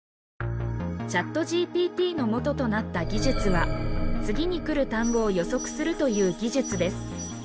ＣｈａｔＧＰＴのもととなった技術は次に来る単語を予測するという技術です。